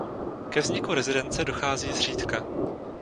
Ke vzniku rezistence dochází zřídka.